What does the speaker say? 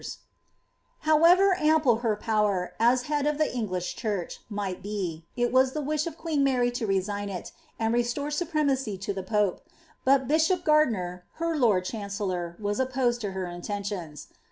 Howerer ample her power, aa head of the English Church, m^gfai h^ it waa the wish of queen Maiy to resign it, and restore ^supmaacj is the pope ; but bishop Gardiner, her lord duuioellor, was ouioaed to her intentifms.